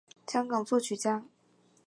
香港作曲家。